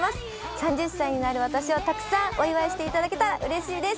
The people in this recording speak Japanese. ３０歳になる私をたくさんお祝いしていただけたらうれしいです。